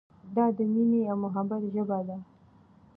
دا د مینې او محبت ژبه ده.